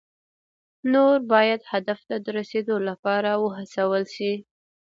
نور باید هدف ته د رسیدو لپاره وهڅول شي.